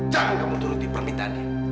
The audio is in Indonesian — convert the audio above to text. jangan kamu turuti permintaannya